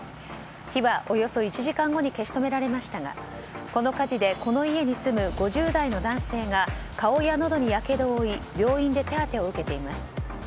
火はおよそ１時間後に消し止められましたがこの火事でこの家に住む５０代の男性が顔やのどにやけどを負い病院で手当てを受けています。